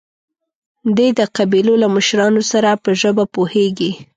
دی د قبيلو له مشرانو سره په ژبه پوهېږي.